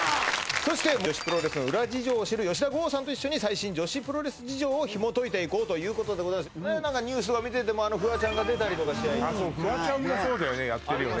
そして女子プロレスの裏事情を知る吉田豪さんと一緒に女子プロレス事情をひもといていこうということでございますニュースを見ててもフワちゃんが出たりとか試合フワちゃんもそうだよねやってるよね